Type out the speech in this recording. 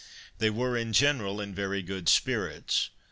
They were, in general, in very good spirits.